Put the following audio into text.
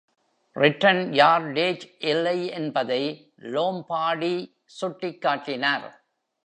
Return yardage இல்லை என்பதை Lombardi சுட்டிக்காட்டினார்.